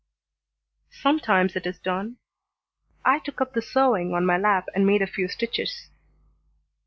"Sometimes it is done." I took up the sewing an my lap and made a few stitches.